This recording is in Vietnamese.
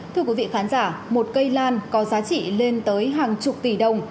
thưa quý vị khán giả một cây lan có giá trị lên tới hàng chục tỷ đồng